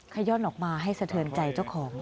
ขย่อนออกมาให้สะเทินใจเจ้าของ